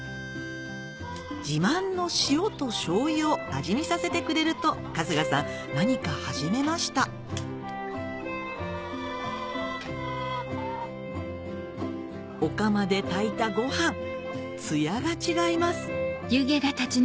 自慢の塩と醤油を味見させてくれると春日さん何か始めましたお釜で炊いたご飯ツヤが違います